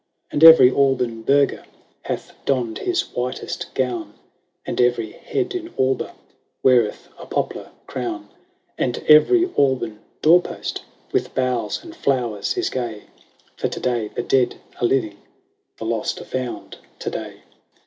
III. And every Alban burgher Hath donned his whitest gown ; And every head in Alba Weareth a poplar crown ; And every Alban door post With boughs and flowers is gay : For to day the dead are living ; The lost are found to day.